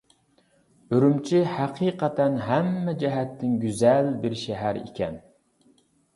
ئۈرۈمچى ھەقىقەتەن ھەممە جەھەتتىن گۈزەل بىر شەھەر ئىكەن.